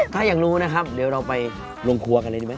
ถ้าอยากรู้นะครับเดี๋ยวเราไปลงครัวกันเลยดีไหม